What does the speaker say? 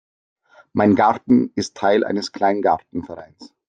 Mein Garten ist Teil eines Kleingartenvereins.